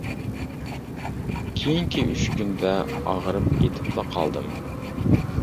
كېيىنكى ئۈچ كۈندە ئاغرىپ يېتىپلا قالدىم.